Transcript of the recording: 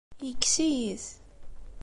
Yekkes-iyi-t.